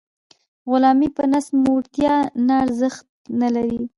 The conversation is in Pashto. غلامي په نس موړتیا نه ارزښت نلري.